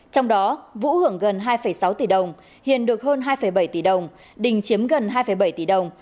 trong đó vũ hưởng gần hai sáu tỷ đồng hiền được hơn hai bảy tỷ đồng đình chiếm gần hai bảy tỷ đồng